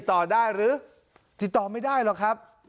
ต่อได้หรือติดต่อไม่ได้หรอกครับ